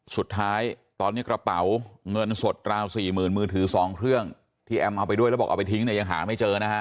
สุดท้ายตอนนี้กระเป๋าเงินสดราวสี่หมื่นมือถือ๒เครื่องที่แอมเอาไปด้วยแล้วบอกเอาไปทิ้งเนี่ยยังหาไม่เจอนะฮะ